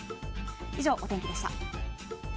以上、お天気でした。